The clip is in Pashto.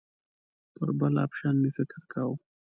پر بل اپشن مې فکر کاوه.